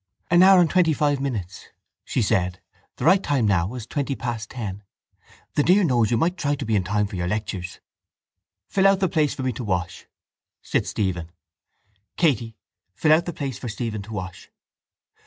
—An hour and twenty five minutes, she said. The right time now is twenty past ten. The dear knows you might try to be in time for your lectures. —Fill out the place for me to wash, said Stephen. —Katey, fill out the place for Stephen to wash.